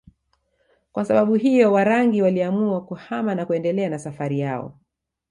Kwa sababu hiyo Warangi waliamua kuhama na kuendelea na safari yao